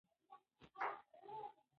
آیا ملکیار هوتک د هوتکو په دوره کې ژوند کاوه؟